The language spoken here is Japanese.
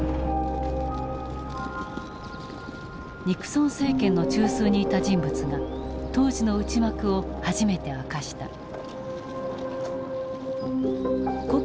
ニクソン政権の中枢にいた人物が当時の内幕を初めて明かした。